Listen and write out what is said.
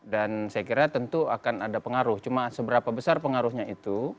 dan saya kira tentu akan ada pengaruh cuma seberapa besar pengaruhnya itu